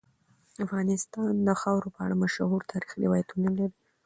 افغانستان د خاوره په اړه مشهور تاریخی روایتونه لري.